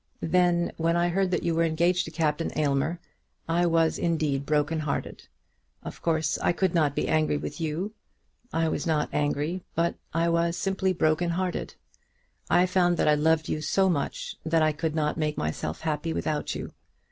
Then, when I heard that you were engaged to Captain Aylmer, I was indeed broken hearted. Of course I could not be angry with you. I was not angry, but I was simply broken hearted. I found that I loved you so much that I could not make myself happy without you.